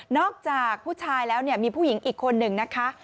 จากผู้ชายแล้วเนี่ยมีผู้หญิงอีกคนหนึ่งนะคะ